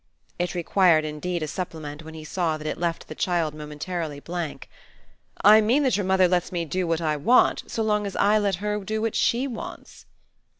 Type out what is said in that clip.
It required indeed a supplement when he saw that it left the child momentarily blank. "I mean that your mother lets me do what I want so long as I let her do what SHE wants."